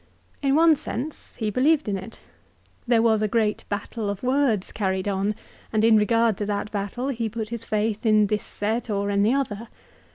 In one sense he believed in it. There was a great battle of words carried on, and in regard to that battle he put his faith in this set or in the other.